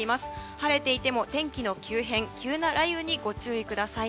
晴れていても天気の急変、急な雷雨にご注意ください。